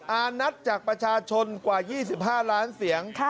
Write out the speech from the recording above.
อานัทจากประชาชนกว่า๒๕ล้านเสียง